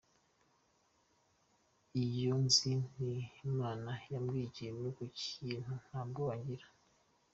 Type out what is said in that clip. Iyo nzi ko Imana yambwiye ikintu ku kintu, nta bwoba ngira”.